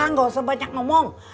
gak usah banyak ngomong